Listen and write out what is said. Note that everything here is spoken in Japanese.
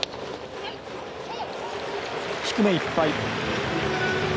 低めいっぱい。